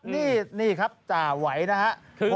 นี่ครับจ่าไหวนะครับ